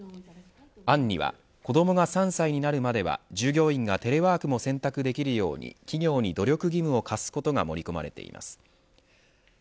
案には子どもが３歳になるまでは従業員がテレワークも選択できるように企業に努力義務を課すことが盛り込まれています。